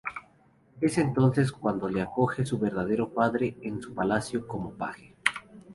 Es entonces cuando le acoge su verdadero padre en su palacio, como paje.